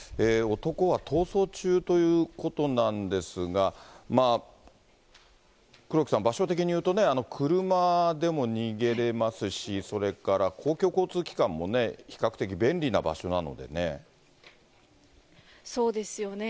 男は逃走中ということなんですが、黒木さん、場所的にいうとね、車でも逃げれますし、それから公共交通機関もね、そうですよね。